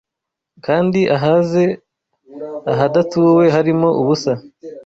Kandi ahāze ahadatuwe harimo ubusa